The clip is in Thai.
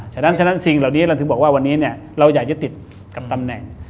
ฉะนั้นฉะนั้นสิ่งเหล่านี้เราถึงบอกว่าวันนี้เราอยากจะติดกับตำแหน่ง